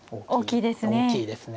大きいですね。